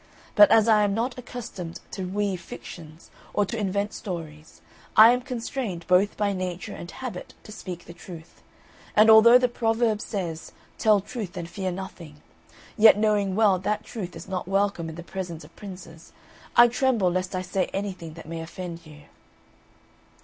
But as I am not accustomed to weave fictions or to invent stories, I am constrained, both by nature and habit, to speak the truth; and, although the proverb says, Tell truth and fear nothing, yet knowing well that truth is not welcome in the presence of princes, I tremble lest I say anything that may offend you."